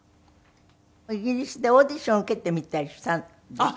イギリスでオーディション受けてみたりしたんですって？